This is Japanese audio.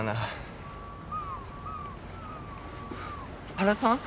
原さん。